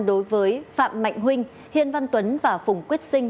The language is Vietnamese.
đối với phạm mạnh huynh hiên văn tuấn và phùng quyết sinh